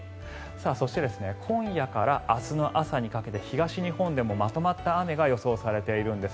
そして今夜から明日の朝にかけて東日本でもまとまった雨が予想されているんです。